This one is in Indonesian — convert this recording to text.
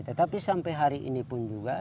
tetapi sampai hari ini pun juga